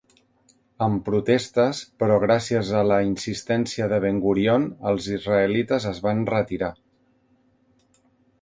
Amb protestes, però gràcies a la insistència de Ben-Gurion, els israelites es van retirar.